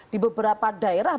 di beberapa daerah